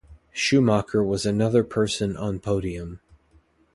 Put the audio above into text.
Schumacher was another person on podium.